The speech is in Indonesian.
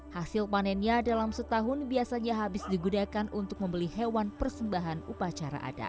hasil panennya dalam setahun biasanya habis digunakan untuk membeli hewan persembahan upacara adat